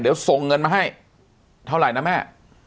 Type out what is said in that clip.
เดี๋ยวส่งเงินมาให้เท่าไหร่นะแม่